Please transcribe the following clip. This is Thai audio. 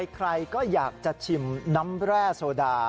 ใครก็อยากจะชิมน้ำแร่โซดา